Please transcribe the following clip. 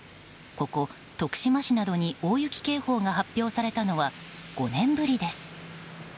ここ、徳島市などに大雪警報が発表されたのは５年ぶりです。